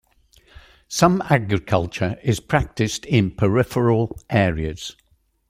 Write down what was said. Some agriculture is practised in peripheral areas.